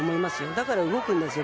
だから動くんですよ